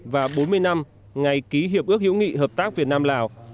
và bốn mươi năm ngày ký hiệp ước hữu nghị hợp tác việt nam lào